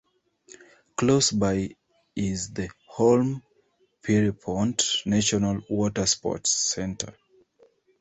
Close by is the Holme Pierrepont National Watersports Centre.